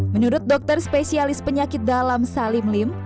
menurut dokter spesialis penyakit dalam salim lim